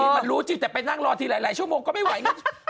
มันรู้จริงแต่ไปนั่งรอทีหลายชั่วโมงก็ไม่ไหวไง